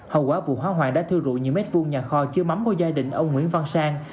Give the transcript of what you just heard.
hậu quả vụ hóa hoàng đã thư rụi nhiều mét vuông nhà kho chứa mắm của gia đình ông nguyễn văn sang